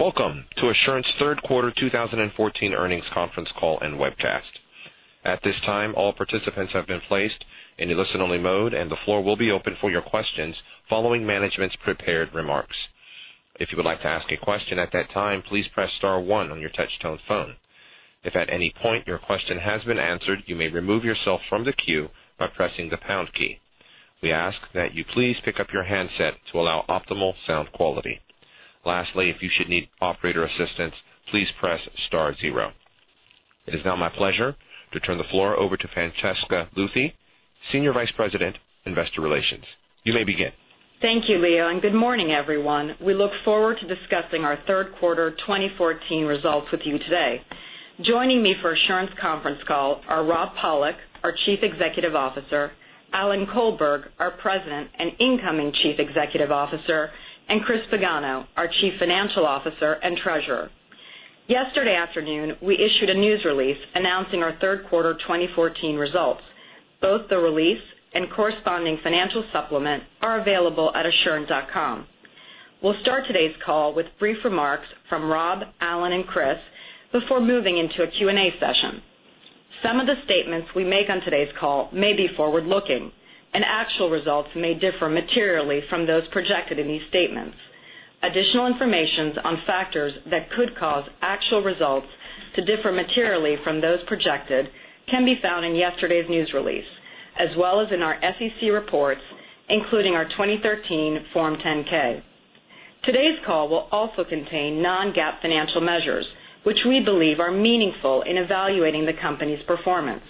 Welcome to Assurant's third quarter 2014 earnings conference call and webcast. At this time, all participants have been placed in a listen-only mode, and the floor will be open for your questions following management's prepared remarks. If you would like to ask a question at that time, please press star one on your touch-tone phone. If at any point your question has been answered, you may remove yourself from the queue by pressing the pound key. We ask that you please pick up your handset to allow optimal sound quality. Lastly, if you should need operator assistance, please press star zero. It is now my pleasure to turn the floor over to Francesca Luthi, Senior Vice President, Investor Relations. You may begin. Thank you, Leo, and good morning, everyone. We look forward to discussing our third quarter 2014 results with you today. Joining me for Assurant's conference call are Rob Pollock, our Chief Executive Officer, Alan Colberg, our President and incoming Chief Executive Officer, and Christopher Pagano, our Chief Financial Officer and Treasurer. Yesterday afternoon, we issued a news release announcing our third quarter 2014 results. Both the release and corresponding financial supplement are available at assurant.com. We'll start today's call with brief remarks from Rob, Alan, and Chris before moving into a Q&A session. Some of the statements we make on today's call may be forward-looking, and actual results may differ materially from those projected in these statements. Additional informations on factors that could cause actual results to differ materially from those projected can be found in yesterday's news release as well as in our SEC reports, including our 2013 Form 10-K. Today's call will also contain non-GAAP financial measures, which we believe are meaningful in evaluating the company's performance.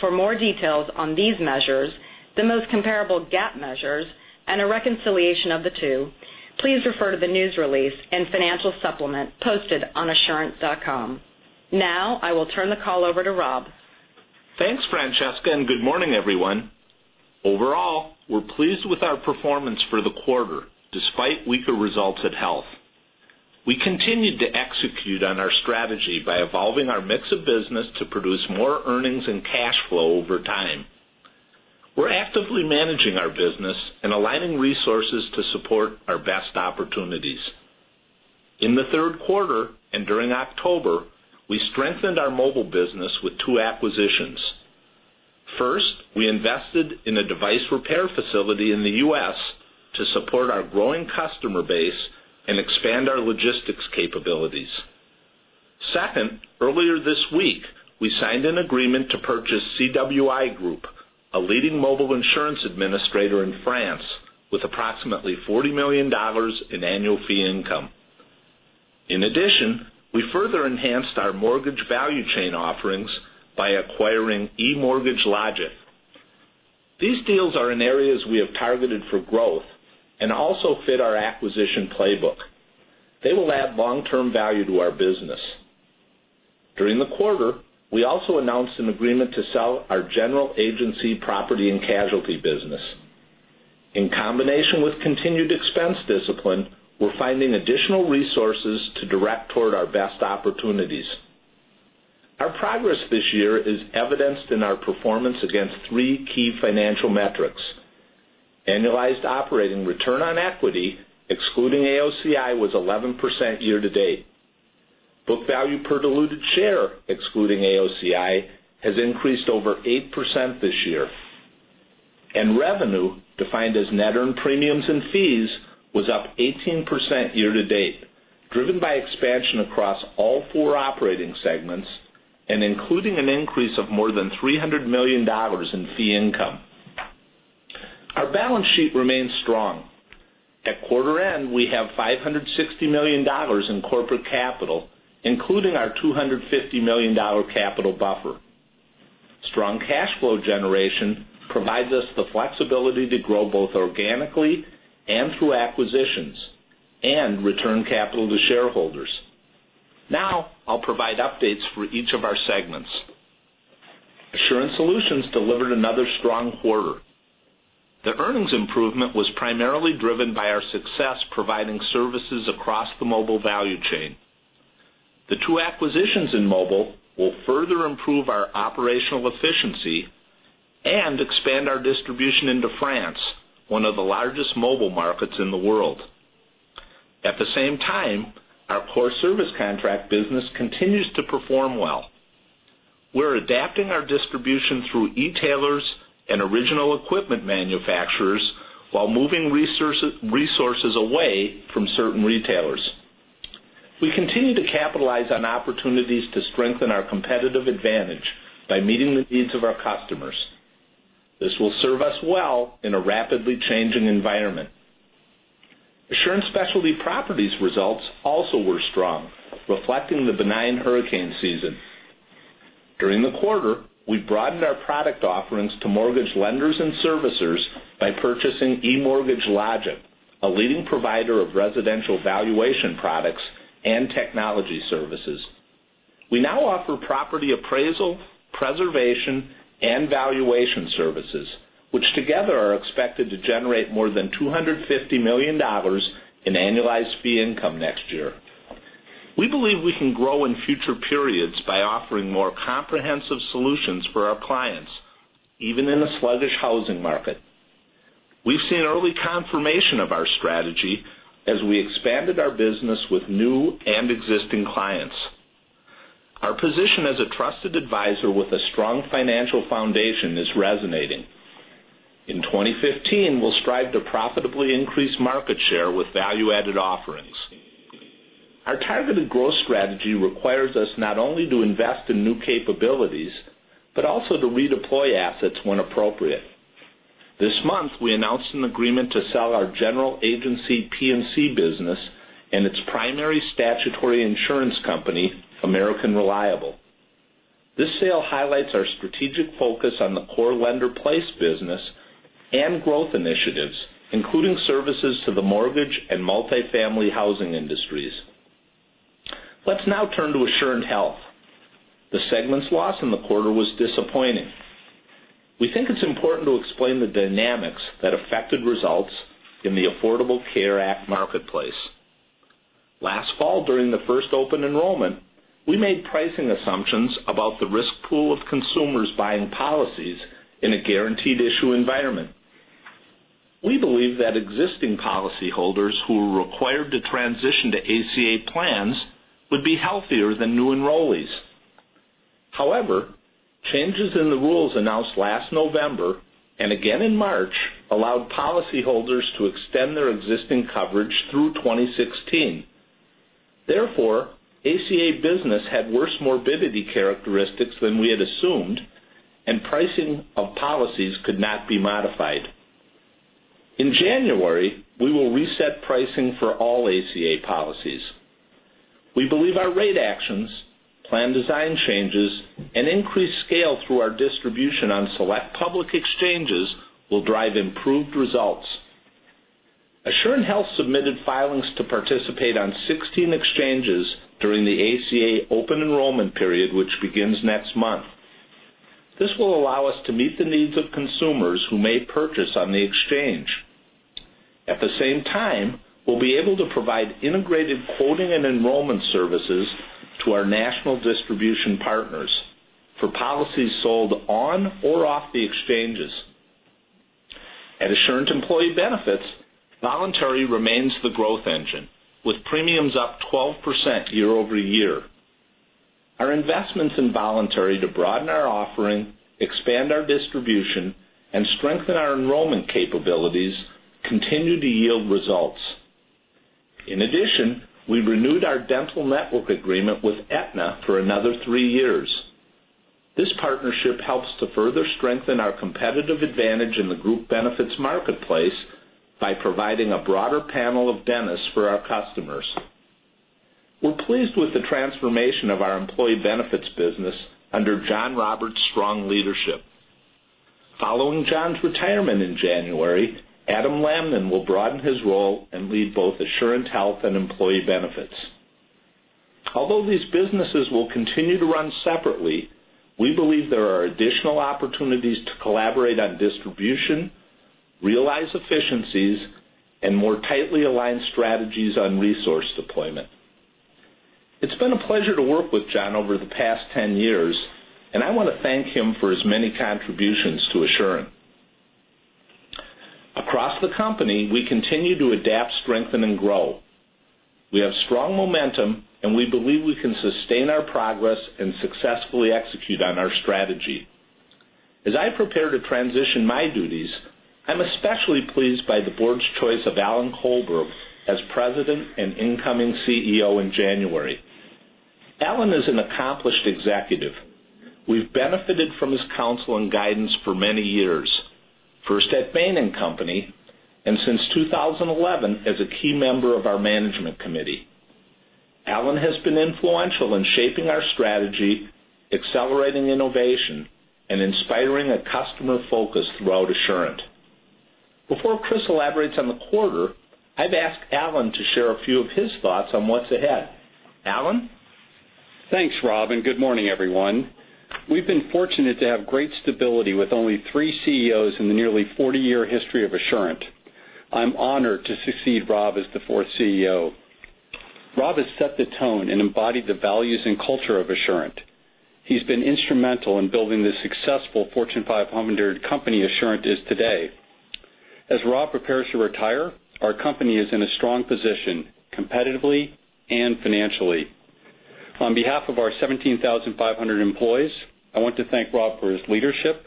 For more details on these measures, the most comparable GAAP measures, and a reconciliation of the two, please refer to the news release and financial supplement posted on assurant.com. Now, I will turn the call over to Rob. Thanks, Francesca, and good morning, everyone. Overall, we're pleased with our performance for the quarter, despite weaker results at Health. We continued to execute on our strategy by evolving our mix of business to produce more earnings and cash flow over time. We're actively managing our business and aligning resources to support our best opportunities. In the third quarter and during October, we strengthened our mobile business with two acquisitions. First, we invested in a device repair facility in the U.S. to support our growing customer base and expand our logistics capabilities. Second, earlier this week, we signed an agreement to purchase CWI Group, a leading mobile insurance administrator in France, with approximately $40 million in annual fee income. In addition, we further enhanced our mortgage value chain offerings by acquiring eMortgage Logic. These deals are in areas we have targeted for growth and also fit our acquisition playbook. They will add long-term value to our business. During the quarter, we also announced an agreement to sell our general agency property and casualty business. In combination with continued expense discipline, we're finding additional resources to direct toward our best opportunities. Our progress this year is evidenced in our performance against three key financial metrics. Annualized operating return on equity, excluding AOCI, was 11% year to date. Book value per diluted share, excluding AOCI, has increased over 8% this year, and revenue, defined as net earned premiums and fees, was up 18% year to date, driven by expansion across all four operating segments and including an increase of more than $300 million in fee income. Our balance sheet remains strong. At quarter end, we have $560 million in corporate capital, including our $250 million capital buffer. Strong cash flow generation provides us the flexibility to grow both organically and through acquisitions and return capital to shareholders. I'll provide updates for each of our segments. Assurant Solutions delivered another strong quarter. The earnings improvement was primarily driven by our success providing services across the mobile value chain. The two acquisitions in mobile will further improve our operational efficiency and expand our distribution into France, one of the largest mobile markets in the world. At the same time, our core service contract business continues to perform well. We're adapting our distribution through e-tailers and original equipment manufacturers while moving resources away from certain retailers. We continue to capitalize on opportunities to strengthen our competitive advantage by meeting the needs of our customers. This will serve us well in a rapidly changing environment. Assurant Specialty Property results also were strong, reflecting the benign hurricane season. During the quarter, we broadened our product offerings to mortgage lenders and servicers by purchasing eMortgage Logic, a leading provider of residential valuation products and technology services. We now offer property appraisal, preservation, and valuation services, which together are expected to generate more than $250 million in annualized fee income next year. We believe we can grow in future periods by offering more comprehensive solutions for our clients, even in a sluggish housing market. We've seen early confirmation of our strategy as we expanded our business with new and existing clients. Our position as a trusted advisor with a strong financial foundation is resonating. In 2015, we'll strive to profitably increase market share with value-added offerings. Our targeted growth strategy requires us not only to invest in new capabilities, but also to redeploy assets when appropriate. This month, we announced an agreement to sell our general agency P&C business and its primary statutory insurance company, American Reliable. This sale highlights our strategic focus on the core lender-placed business and growth initiatives, including services to the mortgage and multi-family housing industries. Let's now turn to Assurant Health. The segment's loss in the quarter was disappointing. We think it's important to explain the dynamics that affected results in the Affordable Care Act marketplace. Last fall, during the first open enrollment, we made pricing assumptions about the risk pool of consumers buying policies in a guaranteed issue environment. We believe that existing policyholders who were required to transition to ACA plans would be healthier than new enrollees. However, changes in the rules announced last November, and again in March, allowed policyholders to extend their existing coverage through 2016. Therefore, ACA business had worse morbidity characteristics than we had assumed, and pricing of policies could not be modified. In January, we will reset pricing for all ACA policies. We believe our rate actions, plan design changes, and increased scale through our distribution on select public exchanges will drive improved results. Assurant Health submitted filings to participate on 16 exchanges during the ACA open enrollment period, which begins next month. This will allow us to meet the needs of consumers who may purchase on the exchange. At the same time, we'll be able to provide integrated quoting and enrollment services to our national distribution partners for policies sold on or off the exchanges. At Assurant Employee Benefits, voluntary remains the growth engine, with premiums up 12% year-over-year. Our investments in voluntary to broaden our offering, expand our distribution, and strengthen our enrollment capabilities continue to yield results. In addition, we renewed our dental network agreement with Aetna for another three years. This partnership helps to further strengthen our competitive advantage in the group benefits marketplace by providing a broader panel of dentists for our customers. We're pleased with the transformation of our employee benefits business under John Roberts' strong leadership. Following John's retirement in January, Adam Lamnin will broaden his role and lead both Assurant Health and Employee Benefits. Although these businesses will continue to run separately, we believe there are additional opportunities to collaborate on distribution, realize efficiencies, and more tightly align strategies on resource deployment. It's been a pleasure to work with John over the past 10 years, and I want to thank him for his many contributions to Assurant. Across the company, we continue to adapt, strengthen, and grow. We have strong momentum, we believe we can sustain our progress and successfully execute on our strategy. As I prepare to transition my duties, I'm especially pleased by the board's choice of Alan Colberg as President and incoming CEO in January. Alan is an accomplished executive. We've benefited from his counsel and guidance for many years, first at Bain & Company, and since 2011 as a key member of our management committee. Alan has been influential in shaping our strategy, accelerating innovation, and inspiring a customer focus throughout Assurant. Before Chris elaborates on the quarter, I've asked Alan to share a few of his thoughts on what's ahead. Alan? Thanks, Rob, good morning, everyone. We've been fortunate to have great stability with only three CEOs in the nearly 40-year history of Assurant. I'm honored to succeed Rob as the fourth CEO. Rob has set the tone and embodied the values and culture of Assurant. He's been instrumental in building the successful Fortune 500 company Assurant is today. As Rob prepares to retire, our company is in a strong position competitively and financially. On behalf of our 17,500 employees, I want to thank Rob for his leadership,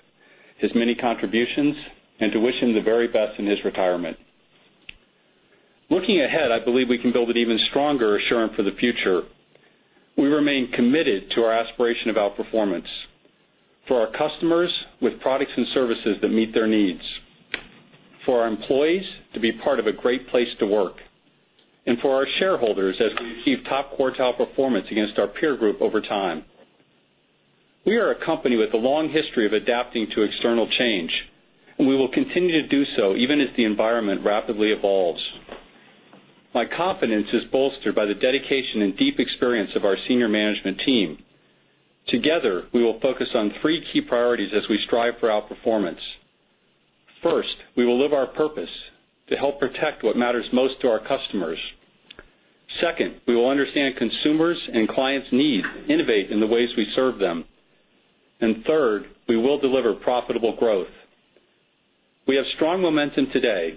his many contributions, and to wish him the very best in his retirement. Looking ahead, I believe we can build an even stronger Assurant for the future. We remain committed to our aspiration of outperformance for our customers with products and services that meet their needs, for our employees to be part of a great place to work, and for our shareholders as we achieve top quartile performance against our peer group over time. We are a company with a long history of adapting to external change, and we will continue to do so even as the environment rapidly evolves. My confidence is bolstered by the dedication and deep experience of our senior management team. Together, we will focus on three key priorities as we strive for outperformance. First, we will live our purpose to help protect what matters most to our customers. Second, we will understand consumers and clients need, innovate in the ways we serve them. Third, we will deliver profitable growth. We have strong momentum today.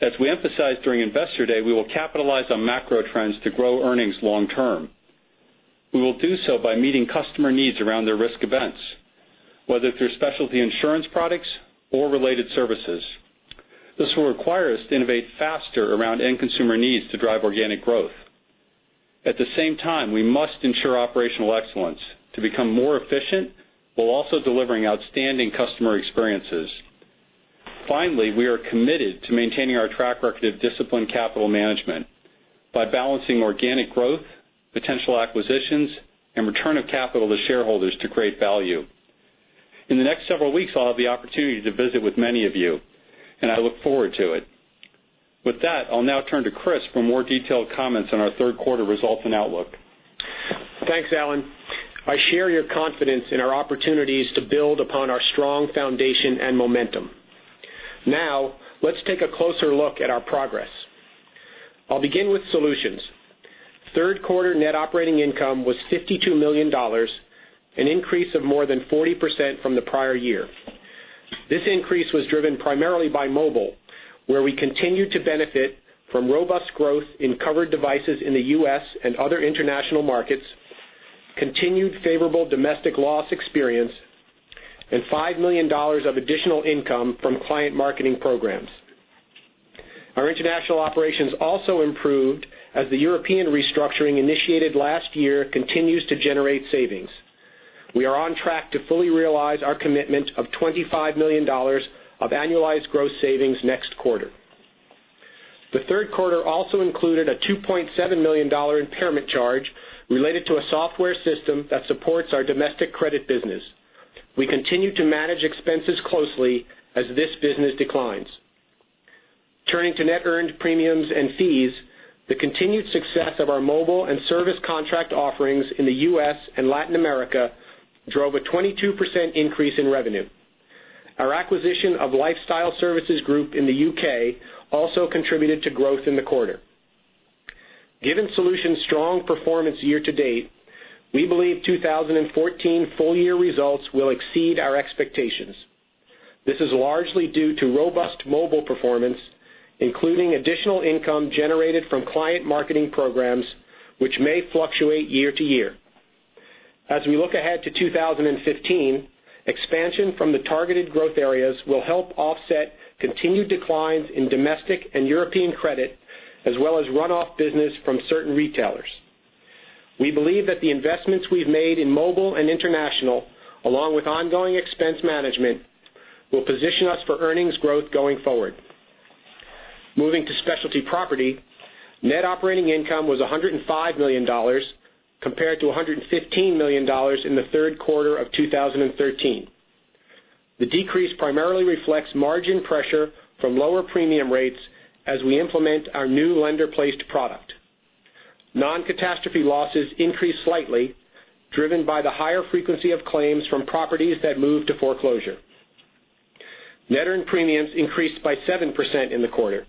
As we emphasized during Investor Day, we will capitalize on macro trends to grow earnings long term. We will do so by meeting customer needs around their risk events, whether through specialty insurance products or related services. This will require us to innovate faster around end consumer needs to drive organic growth. At the same time, we must ensure operational excellence to become more efficient, while also delivering outstanding customer experiences. Finally, we are committed to maintaining our track record of disciplined capital management by balancing organic growth, potential acquisitions, and return of capital to shareholders to create value. In the next several weeks, I'll have the opportunity to visit with many of you, and I look forward to it. With that, I'll now turn to Chris for more detailed comments on our third quarter results and outlook. Thanks, Alan. I share your confidence in our opportunities to build upon our strong foundation and momentum. Now, let's take a closer look at our progress. I'll begin with Solutions. Third quarter net operating income was $52 million, an increase of more than 40% from the prior year. This increase was driven primarily by mobile, where we continued to benefit from robust growth in covered devices in the U.S. and other international markets, continued favorable domestic loss experience, and $5 million of additional income from client marketing programs. Our international operations also improved as the European restructuring initiated last year continues to generate savings. We are on track to fully realize our commitment of $25 million of annualized gross savings next quarter. The third quarter also included a $2.7 million impairment charge related to a software system that supports our domestic credit business. We continue to manage expenses closely as this business declines. Turning to net earned premiums and fees, the continued success of our mobile and service contract offerings in the U.S. and Latin America drove a 22% increase in revenue. Our acquisition of Lifestyle Services Group in the U.K. also contributed to growth in the quarter. Given Solutions' strong performance year to date, we believe 2014 full year results will exceed our expectations. This is largely due to robust mobile performance, including additional income generated from client marketing programs, which may fluctuate year to year. As we look ahead to 2015, expansion from the targeted growth areas will help offset continued declines in domestic and European credit, as well as runoff business from certain retailers. We believe that the investments we've made in mobile and international, along with ongoing expense management, will position us for earnings growth going forward. Moving to Specialty Property, net operating income was $105 million, compared to $115 million in the third quarter of 2013. The decrease primarily reflects margin pressure from lower premium rates as we implement our new lender-placed product. Non-catastrophe losses increased slightly, driven by the higher frequency of claims from properties that moved to foreclosure. Net earned premiums increased by 7% in the quarter.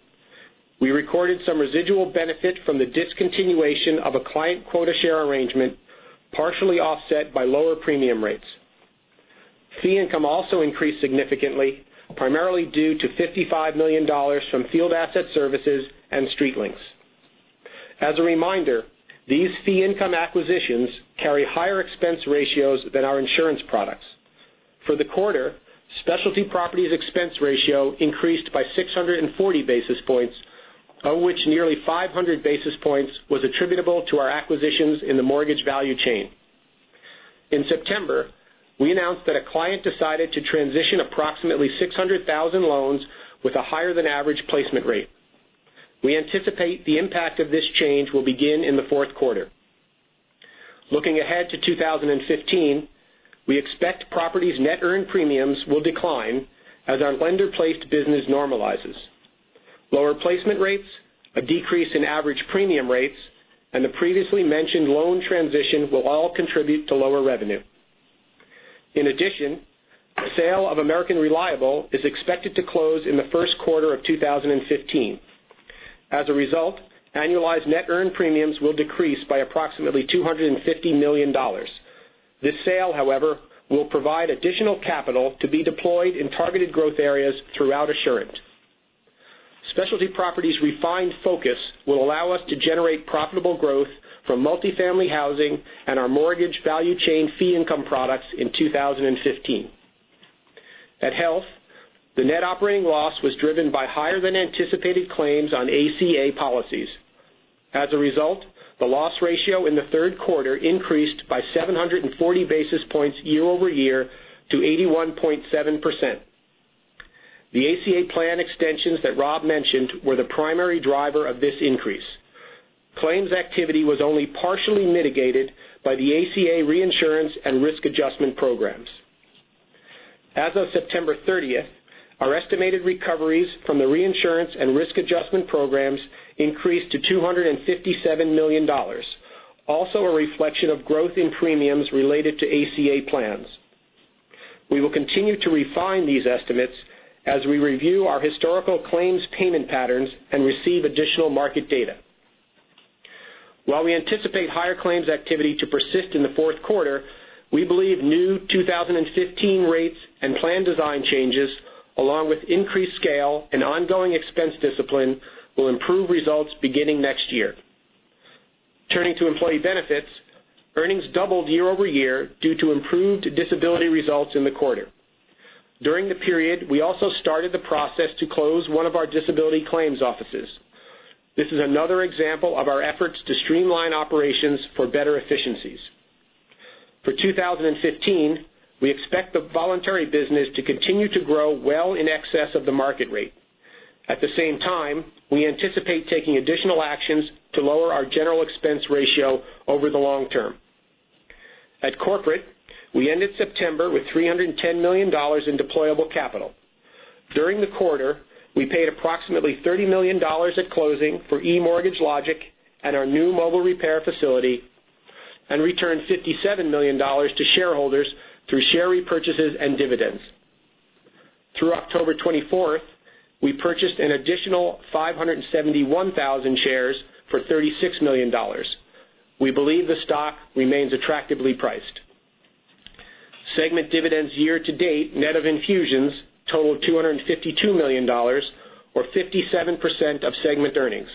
We recorded some residual benefit from the discontinuation of a client quota share arrangement, partially offset by lower premium rates. Fee income also increased significantly, primarily due to $55 million from Field Asset Services and StreetLinks. As a reminder, these fee income acquisitions carry higher expense ratios than our insurance products. For the quarter, Specialty Property's expense ratio increased by 640 basis points, of which nearly 500 basis points was attributable to our acquisitions in the mortgage value chain. In September, we announced that a client decided to transition approximately 600,000 loans with a higher than average placement rate. We anticipate the impact of this change will begin in the fourth quarter. Looking ahead to 2015, we expect Property's net earned premiums will decline as our lender-placed business normalizes. Lower placement rates, a decrease in average premium rates, and the previously mentioned loan transition will all contribute to lower revenue. In addition, the sale of American Reliable is expected to close in the first quarter of 2015. As a result, annualized net earned premiums will decrease by approximately $250 million. This sale, however, will provide additional capital to be deployed in targeted growth areas throughout Assurant. Specialty Property's refined focus will allow us to generate profitable growth from multi-family housing and our mortgage value chain fee income products in 2015. At Health, the net operating loss was driven by higher than anticipated claims on ACA policies. As a result, the loss ratio in the third quarter increased by 740 basis points year-over-year to 81.7%. The ACA plan extensions that Rob mentioned were the primary driver of this increase. Claims activity was only partially mitigated by the ACA reinsurance and risk adjustment programs. As of September 30th, our estimated recoveries from the reinsurance and risk adjustment programs increased to $257 million. Also, a reflection of growth in premiums related to ACA plans. We will continue to refine these estimates as we review our historical claims payment patterns and receive additional market data. While we anticipate higher claims activity to persist in the fourth quarter, we believe new 2015 rates and plan design changes, along with increased scale and ongoing expense discipline, will improve results beginning next year. Turning to Employee Benefits, earnings doubled year-over-year due to improved disability results in the quarter. During the period, we also started the process to close one of our disability claims offices. This is another example of our efforts to streamline operations for better efficiencies. For 2015, we expect the voluntary business to continue to grow well in excess of the market rate. At the same time, we anticipate taking additional actions to lower our general expense ratio over the long term. At Corporate, we ended September with $310 million in deployable capital. During the quarter, we paid approximately $30 million at closing for eMortgage Logic and our new mobile repair facility and returned $57 million to shareholders through share repurchases and dividends. Through October 24th, we purchased an additional 571,000 shares for $36 million. We believe the stock remains attractively priced. Segment dividends year to date net of infusions totaled $252 million, or 57% of segment earnings.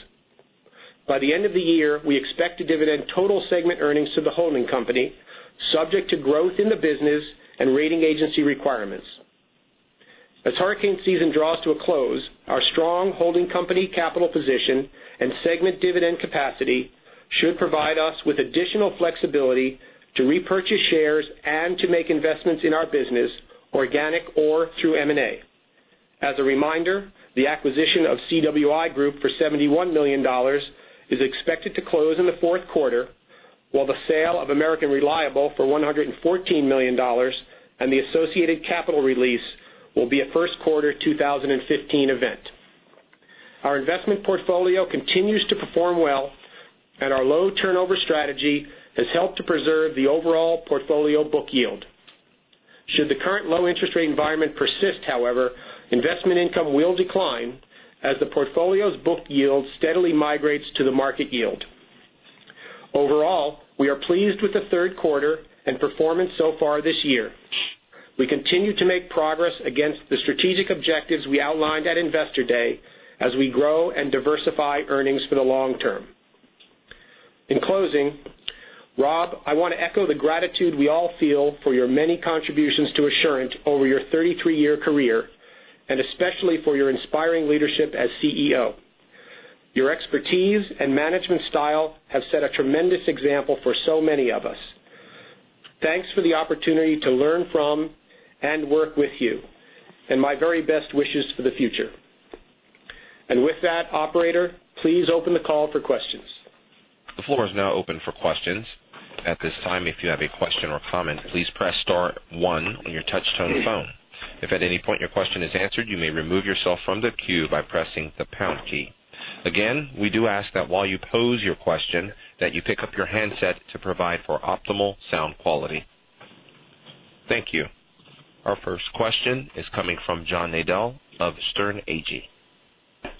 By the end of the year, we expect to dividend total segment earnings to the holding company, subject to growth in the business and rating agency requirements. As hurricane season draws to a close, our strong holding company capital position and segment dividend capacity should provide us with additional flexibility to repurchase shares and to make investments in our business, organic or through M&A. As a reminder, the acquisition of CWI Group for $71 million is expected to close in the fourth quarter, while the sale of American Reliable for $114 million and the associated capital release will be a first quarter 2015 event. Our investment portfolio continues to perform well, and our low turnover strategy has helped to preserve the overall portfolio book yield. Should the current low interest rate environment persist, however, investment income will decline as the portfolio's book yield steadily migrates to the market yield. Overall, we are pleased with the third quarter and performance so far this year. We continue to make progress against the strategic objectives we outlined at Investor Day as we grow and diversify earnings for the long term. In closing, Rob, I want to echo the gratitude we all feel for your many contributions to Assurant over your 33-year career, and especially for your inspiring leadership as CEO. Your expertise and management style have set a tremendous example for so many of us. Thanks for the opportunity to learn from and work with you, and my very best wishes for the future. With that, operator, please open the call for questions. The floor is now open for questions. At this time, if you have a question or comment, please press star one on your touchtone phone. If at any point your question is answered, you may remove yourself from the queue by pressing the pound key. Again, we do ask that while you pose your question, that you pick up your handset to provide for optimal sound quality. Thank you. Our first question is coming from John Nadel of Sterne Agee.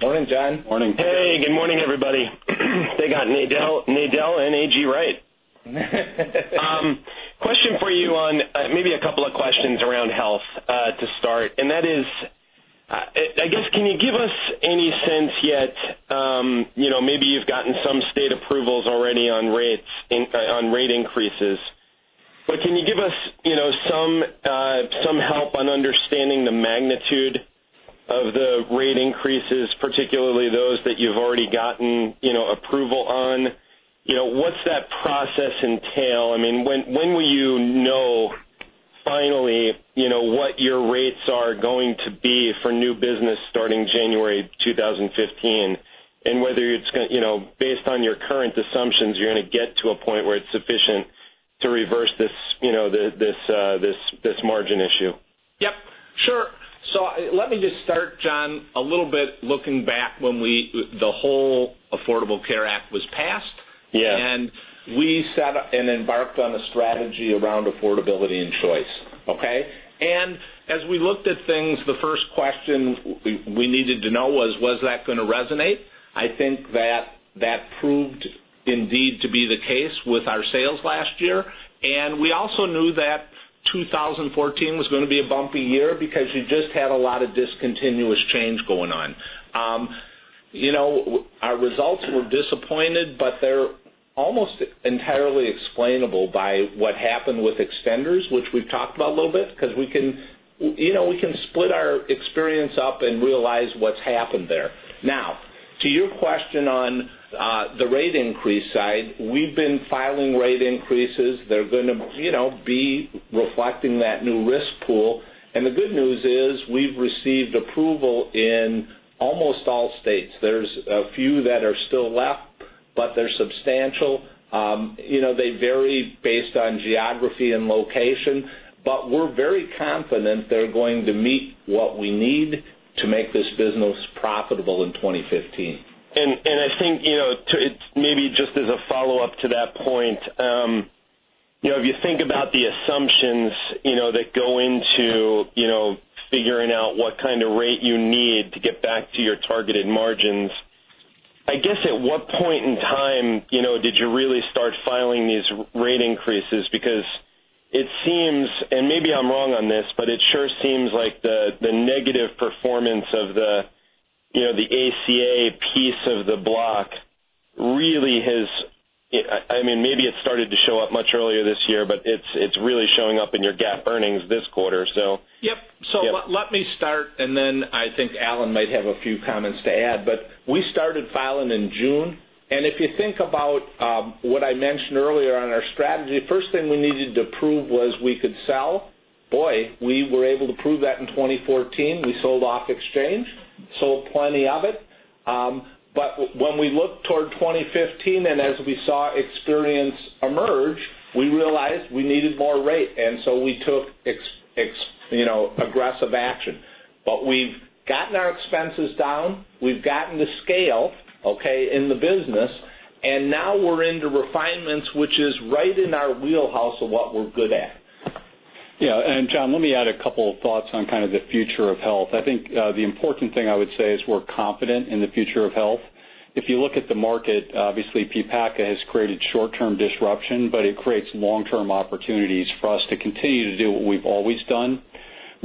Morning, John. Morning. Hey, good morning, everybody. They got Nadel and Agee right. Question for you on, maybe a couple of questions around health to start, and that is, I guess, can you give us any sense yet, maybe you've gotten some state approvals already on rate increases, but can you give us some help on understanding the magnitude of the rate increases, particularly those that you've already gotten approval on? What's that process entail? When will you know finally what your rates are going to be for new business starting January 2015, and whether based on your current assumptions, you're going to get to a point where it's sufficient to reverse this margin issue? Yep, sure. Let me just start, John, a little bit looking back when the whole Affordable Care Act was passed. Yes. We set and embarked on a strategy around affordability and choice. Okay? As we looked at things, the first question we needed to know was that going to resonate? I think that that proved indeed to be the case with our sales last year, and we also knew that 2014 was going to be a bumpy year because you just had a lot of discontinuous change going on. Our results were disappointed, but they're almost entirely explainable by what happened with extenders, which we've talked about a little bit, because we can split our experience up and realize what's happened there. Now, to your question on the rate increase side, we've been filing rate increases. They're going to be reflecting that new risk pool. The good news is we've received approval in almost all states. There's a few that are still left, but they're substantial. They vary based on geography and location, but we're very confident they're going to meet what we need to make this business profitable in 2015. I think, maybe just as a follow-up to that point targeted margins. I guess at what point in time, did you really start filing these rate increases? It seems, and maybe I am wrong on this, but it sure seems like the negative performance of the ACA piece of the block really has, maybe it started to show up much earlier this year, but it is really showing up in your GAAP earnings this quarter. Yep. Yep. Let me start, I think Alan might have a few comments to add. We started filing in June, if you think about, what I mentioned earlier on our strategy, first thing we needed to prove was we could sell. Boy, we were able to prove that in 2014. We sold off exchange, sold plenty of it. When we looked toward 2015 and as we saw experience emerge, we realized we needed more rate. We took aggressive action. We have gotten our expenses down. We have gotten to scale, okay, in the business. Now we are into refinements, which is right in our wheelhouse of what we are good at. Yeah. John, let me add a couple of thoughts on kind of the future of health. I think, the important thing I would say is we are confident in the future of health. If you look at the market, obviously PPACA has created short-term disruption, but it creates long-term opportunities for us to continue to do what we have always done,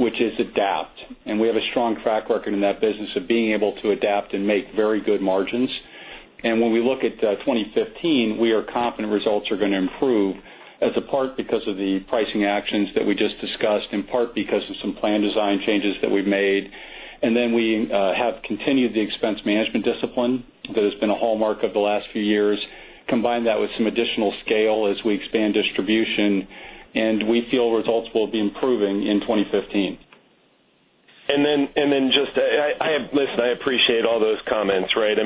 which is adapt. We have a strong track record in that business of being able to adapt and make very good margins. When we look at 2015, we are confident results are going to improve as a part because of the pricing actions that we just discussed, in part because of some plan design changes that we have made. We have continued the expense management discipline that has been a hallmark of the last few years. Combine that with some additional scale as we expand distribution, we feel results will be improving in 2015. listen, I appreciate all those comments, right?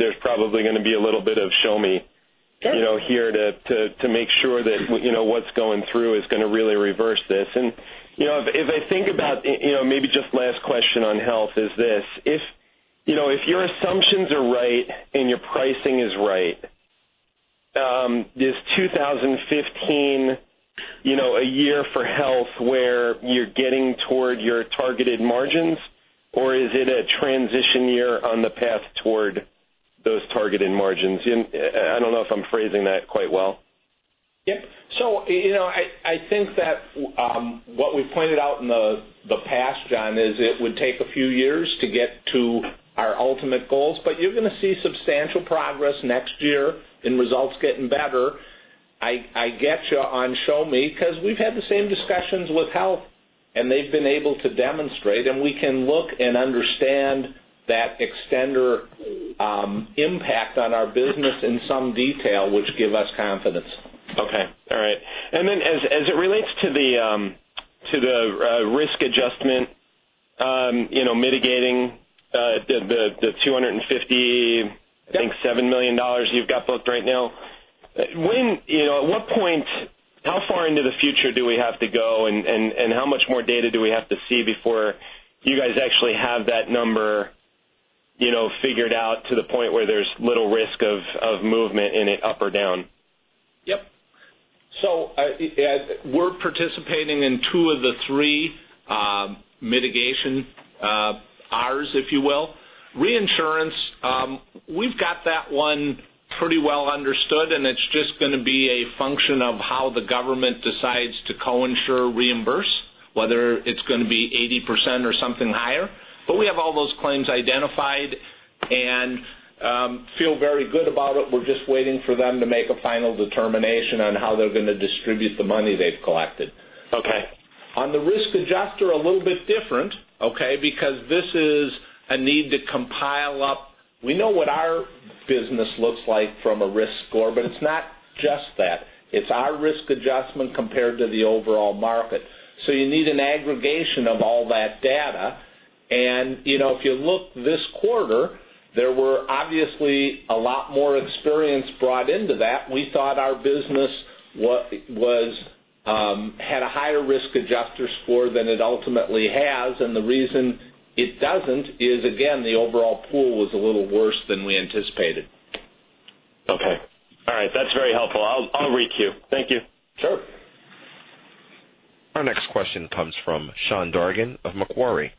There's probably going to be a little bit of show me- Yep here to make sure that what's going through is going to really reverse this. If I think about maybe just last question on Health is this. If your assumptions are right and your pricing is right, is 2015 a year for Health where you're getting toward your targeted margins, or is it a transition year on the path toward those targeted margins? I don't know if I'm phrasing that quite well. Yep. I think that what we've pointed out in the past, John, is it would take a few years to get to our ultimate goals, but you're going to see substantial progress next year and results getting better. I get you on show me because we've had the same discussions with Health, and they've been able to demonstrate, and we can look and understand that extender impact on our business in some detail, which give us confidence. Okay. All right. As it relates to the risk adjustment, mitigating the $250- Yep I think, $7 million you've got booked right now. At what point, how far into the future do we have to go, and how much more data do we have to see before you guys actually have that number figured out to the point where there's little risk of movement in it up or down? Yep. We're participating in two of the three mitigation Rs, if you will. Reinsurance, we've got that one pretty well understood, and it's just going to be a function of how the government decides to co-insure reimburse, whether it's going to be 80% or something higher. We have all those claims identified and feel very good about it. We're just waiting for them to make a final determination on how they're going to distribute the money they've collected. Okay. On the risk adjuster, a little bit different, okay? Because this is a need to compile up. We know what our business looks like from a risk score, but it's not just that. It's our risk adjustment compared to the overall market. You need an aggregation of all that data. If you look this quarter, there were obviously a lot more experience brought into that. We thought our business had a higher risk adjuster score than it ultimately has, and the reason it doesn't is, again, the overall pool was a little worse than we anticipated. Okay. All right. That's very helpful. I'll re-queue. Thank you. Sure. Our next question comes from Sean Dargan of Macquarie.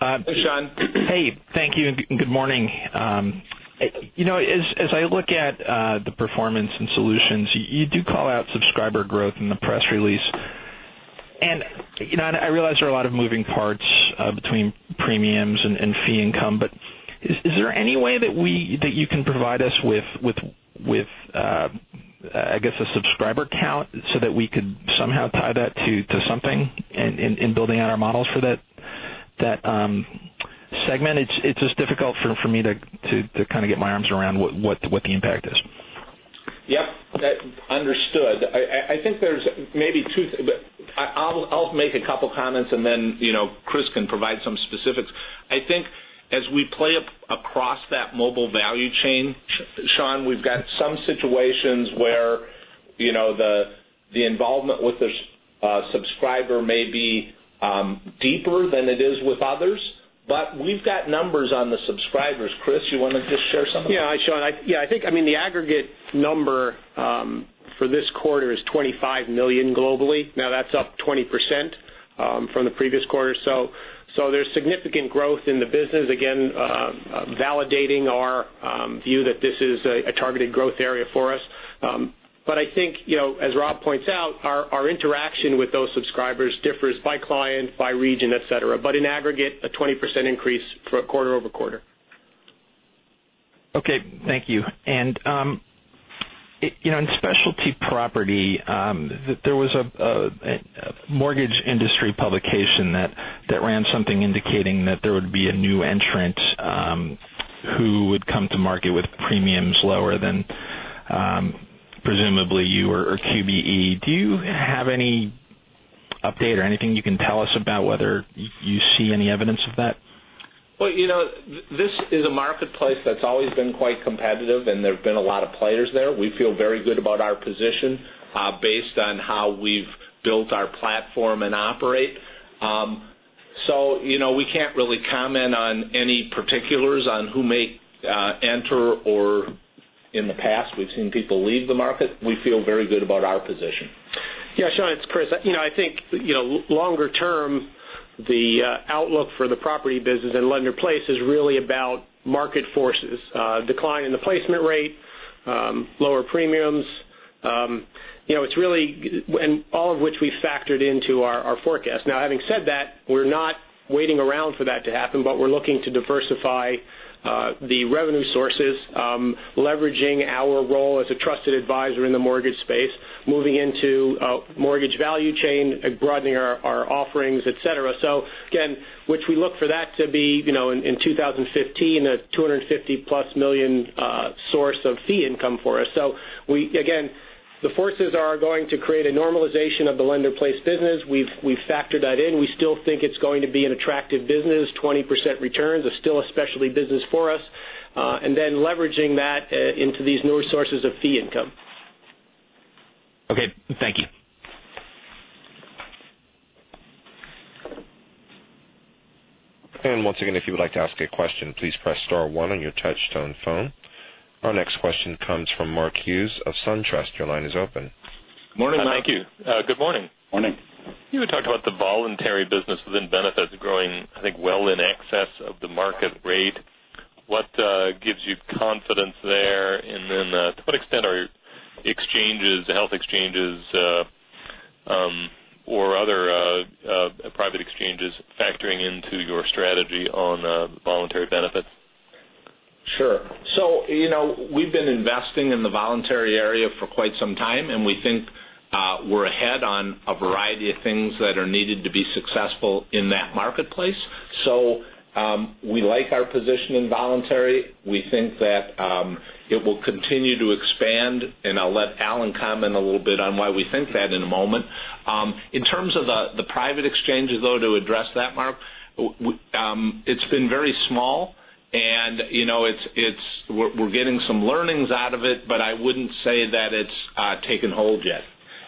Hey, Sean. Hey. Thank you, and good morning. As I look at the performance and solutions, you do call out subscriber growth in the press release. I realize there are a lot of moving parts between premiums and fee income, is there any way that you can provide us with, I guess, a subscriber count so that we could somehow tie that to something in building out our models for that segment? It's just difficult for me to kind of get my arms around what the impact is. Yep. Understood. I think there's maybe I'll make a couple comments and then Chris can provide some specifics. I think as we play across that mobile value chain, Sean, we've got some situations where the involvement with the subscriber may be deeper than it is with others, but we've got numbers on the subscribers. Chris, you want to just share some of that? Yeah. Sean, I think the aggregate number For this quarter is $25 million globally. That's up 20% from the previous quarter. There's significant growth in the business, again, validating our view that this is a targeted growth area for us. I think, as Rob points out, our interaction with those subscribers differs by client, by region, et cetera. In aggregate, a 20% increase for quarter-over-quarter. Okay, thank you. In Specialty Property, there was a mortgage industry publication that ran something indicating that there would be a new entrant who would come to market with premiums lower than presumably you or QBE. Do you have any update or anything you can tell us about whether you see any evidence of that? Well, this is a marketplace that's always been quite competitive and there have been a lot of players there. We feel very good about our position based on how we've built our platform and operate. We can't really comment on any particulars on who may enter, or in the past, we've seen people leave the market. We feel very good about our position. Sean, it's Chris. I think longer term, the outlook for the property business and lender-placed is really about market forces, decline in the placement rate, lower premiums. All of which we factored into our forecast. Now having said that, we're not waiting around for that to happen, but we're looking to diversify the revenue sources, leveraging our role as a trusted advisor in the mortgage space, moving into mortgage value chain, broadening our offerings, et cetera. Again, which we look for that to be in 2015, a $250-plus million source of fee income for us. Again, the forces are going to create a normalization of the lender-placed business. We've factored that in. We still think it's going to be an attractive business, 20% returns. It's still a specialty business for us. Then leveraging that into these newer sources of fee income. Okay, thank you. Once again, if you would like to ask a question, please press star one on your touch-tone phone. Our next question comes from Mark Hughes of SunTrust. Your line is open. Morning, Mark. Thank you. Good morning. Morning. You had talked about the voluntary business within benefits growing, I think, well in excess of the market rate. What gives you confidence there? Then to what extent are health exchanges or other private exchanges factoring into your strategy on voluntary benefits? Sure. We've been investing in the voluntary area for quite some time, and we think we're ahead on a variety of things that are needed to be successful in that marketplace. We like our position in voluntary. We think that it will continue to expand, and I'll let Alan comment a little bit on why we think that in a moment. In terms of the private exchanges, though, to address that, Mark, it's been very small and we're getting some learnings out of it, but I wouldn't say that it's taken hold yet.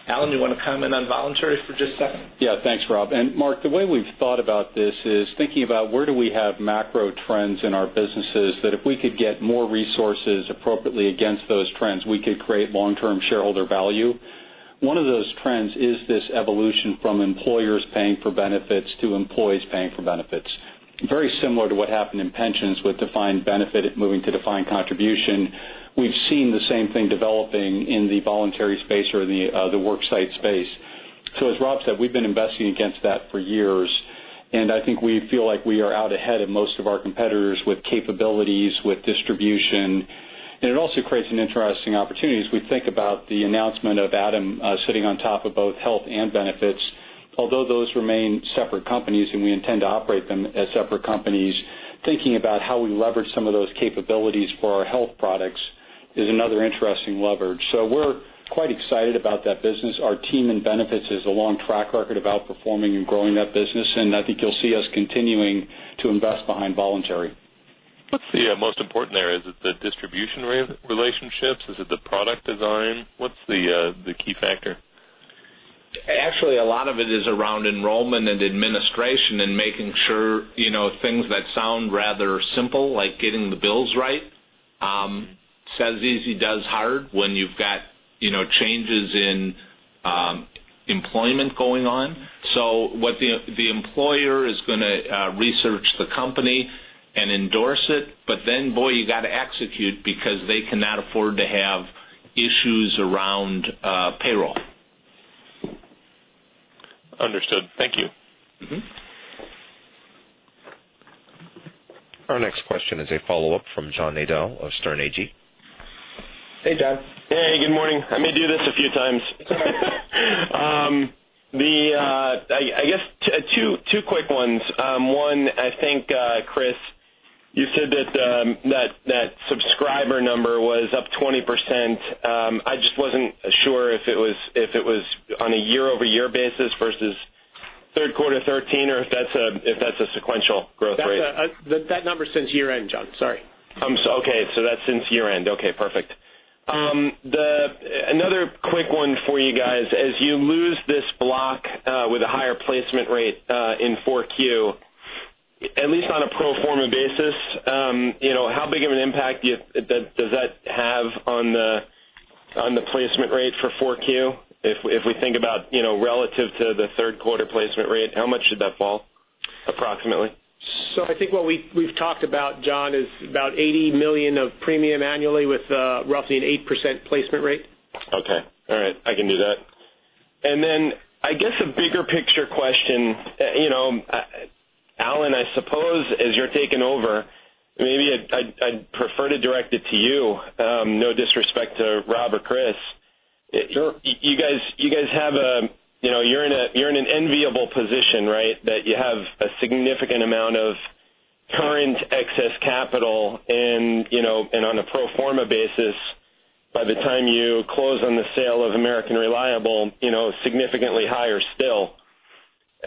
Alan, do you want to comment on voluntary for just a second? Yeah, thanks, Rob. Mark, the way we've thought about this is thinking about where do we have macro trends in our businesses that if we could get more resources appropriately against those trends, we could create long-term shareholder value? One of those trends is this evolution from employers paying for benefits to employees paying for benefits. Very similar to what happened in pensions with defined benefit moving to defined contribution. We've seen the same thing developing in the voluntary space or the worksite space. As Rob said, we've been investing against that for years, and I think we feel like we are out ahead of most of our competitors with capabilities, with distribution. It also creates some interesting opportunities. We think about the announcement of Adam Lamnin sitting on top of both Health and Benefits, although those remain separate companies, and we intend to operate them as separate companies. Thinking about how we leverage some of those capabilities for our Health products is another interesting leverage. We're quite excited about that business. Our team in Benefits has a long track record of outperforming and growing that business. I think you'll see us continuing to invest behind voluntary. What's the most important there? Is it the distribution relationships? Is it the product design? What's the key factor? Actually, a lot of it is around enrollment and administration and making sure things that sound rather simple, like getting the bills right. Says easy, does hard when you've got changes in employment going on. The employer is going to research the company and endorse it, boy, you got to execute because they cannot afford to have issues around payroll. Understood. Thank you. Our next question is a follow-up from John Nadel of Sterne Agee. Hey, John. Hey, good morning. I may do this a few times. It's all right. I guess two quick ones. One, I think, Chris, you said that subscriber number was up 20%. I just wasn't sure if it was on a year-over-year basis versus third quarter 2013, or if that's a sequential growth rate. That number's since year-end, John. Sorry. Okay, that's since year-end. Okay, perfect. Another How big of an impact does that have on the placement rate for 4Q? If we think about relative to the third quarter placement rate, how much should that fall approximately? I think what we've talked about, John, is about $80 million of premium annually with roughly an 8% placement rate. Okay. All right. I can do that. Then I guess a bigger picture question, Alan, I suppose as you're taking over, maybe I'd prefer to direct it to you. No disrespect to Rob or Chris. Sure. You're in an enviable position, right? That you have a significant amount of current excess capital and on a pro forma basis by the time you close on the sale of American Reliable, significantly higher still.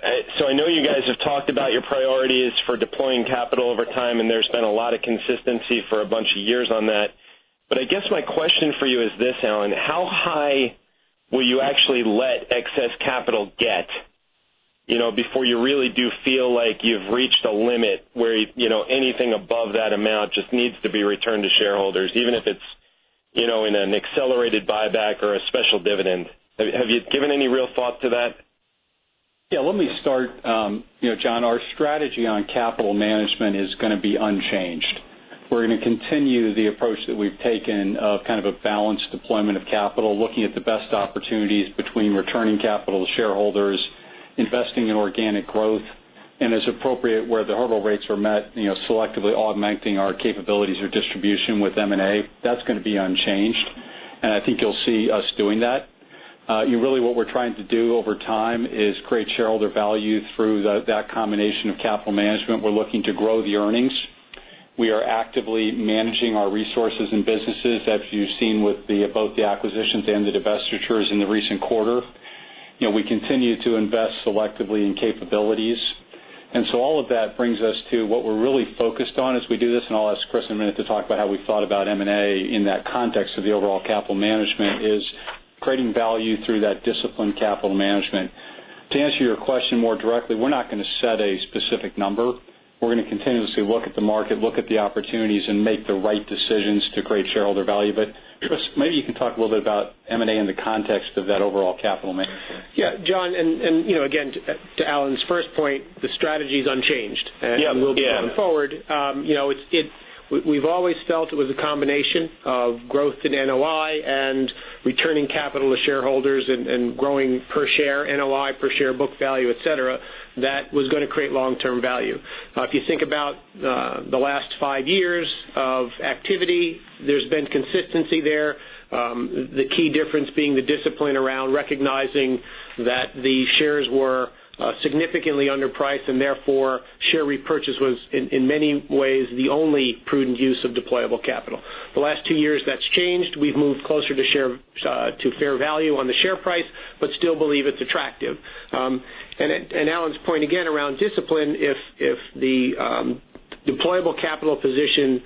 I know you guys have talked about your priorities for deploying capital over time, and there's been a lot of consistency for a bunch of years on that. I guess my question for you is this, Alan: how high will you actually let excess capital get before you really do feel like you've reached a limit where anything above that amount just needs to be returned to shareholders, even if it's in an accelerated buyback or a special dividend? Have you given any real thought to that? Yeah, let me start, John. Our strategy on capital management is going to be unchanged. We're going to continue the approach that we've taken of kind of a balanced deployment of capital, looking at the best opportunities between returning capital to shareholders, investing in organic growth, and as appropriate, where the hurdle rates are met, selectively augmenting our capabilities or distribution with M&A. That's going to be unchanged. I think you'll see us doing that. What we're trying to do over time is create shareholder value through that combination of capital management. We're looking to grow the earnings. We are actively managing our resources and businesses as you've seen with both the acquisitions and the divestitures in the recent quarter. We continue to invest selectively in capabilities. all of that brings us to what we're really focused on as we do this, I'll ask Chris in a minute to talk about how we thought about M&A in that context of the overall capital management, is creating value through that disciplined capital management. To answer your question more directly, we're not going to set a specific number. We're going to continuously look at the market, look at the opportunities, and make the right decisions to create shareholder value. Chris, maybe you can talk a little bit about M&A in the context of that overall capital management. Yeah. John, again, to Alan's first point, the strategy's unchanged. Yeah will be going forward. We've always felt it was a combination of growth in NOI and returning capital to shareholders and growing per share NOI, per share book value, et cetera, that was going to create long-term value. If you think about the last 5 years of activity, there's been consistency there. The key difference being the discipline around recognizing that the shares were significantly underpriced, therefore share repurchase was, in many ways, the only prudent use of deployable capital. The last 2 years, that's changed. We've moved closer to fair value on the share price, but still believe it's attractive. Alan's point again around discipline, if the deployable capital position,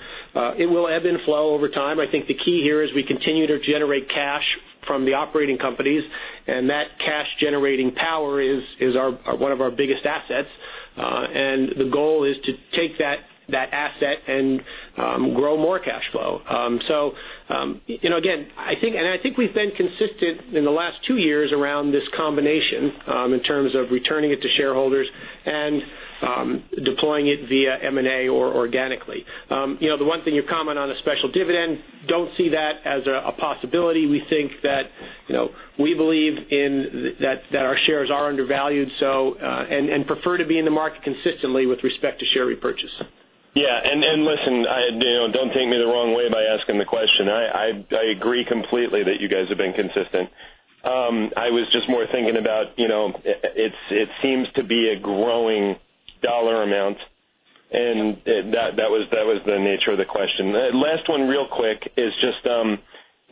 it will ebb and flow over time. I think the key here is we continue to generate cash from the operating companies, that cash-generating power is one of our biggest assets. The goal is to take that asset and grow more cash flow. Again, I think we've been consistent in the last 2 years around this combination in terms of returning it to shareholders and deploying it via M&A or organically. The one thing you comment on a special dividend, don't see that as a possibility. We think that we believe that our shares are undervalued, prefer to be in the market consistently with respect to share repurchase. Listen, don't take me the wrong way by asking the question. I agree completely that you guys have been consistent. I was just more thinking about it seems to be a growing dollar amount, that was the nature of the question. Last one real quick is just on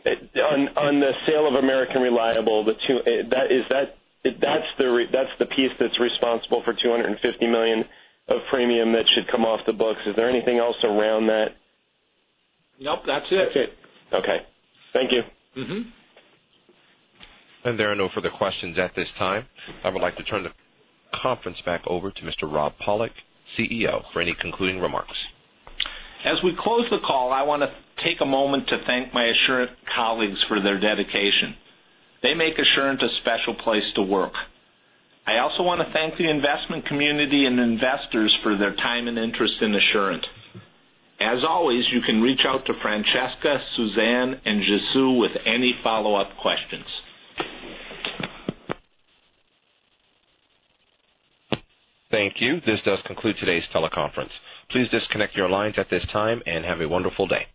the sale of American Reliable, that's the piece that's responsible for $250 million of premium that should come off the books. Is there anything else around that? Nope. That's it. That's it. Okay. Thank you. There are no further questions at this time. I would like to turn the conference back over to Mr. Rob Pollock, CEO, for any concluding remarks. As we close the call, I want to take a moment to thank my Assurant colleagues for their dedication. They make Assurant a special place to work. I also want to thank the investment community and investors for their time and interest in Assurant. As always, you can reach out to Francesca, Suzanne, and Jesu with any follow-up questions. Thank you. This does conclude today's teleconference. Please disconnect your lines at this time, and have a wonderful day.